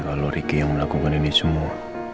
kalau ricky yang melakukan ini semua